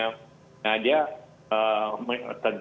nah dia tentu juga turki mencoba untuk memperbaiki